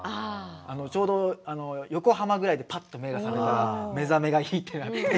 ちょうど横浜ぐらいでぱっと目が覚めたら目覚めがいいってなって。